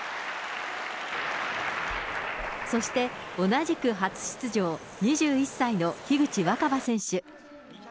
そして同じく初出場、２１歳の樋口新葉選手。